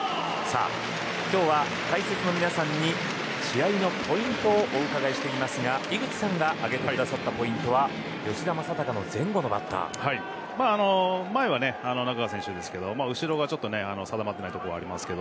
今日は解説の皆さんに試合のポイントをお伺いしていますが井口さんが挙げてくださったポイントは前は中川選手ですが後ろがちょっと定まっていないところがありますが。